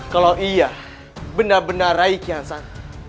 kalau iya benar benar raiki hansan